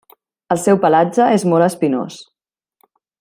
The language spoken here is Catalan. El seu pelatge és molt espinós.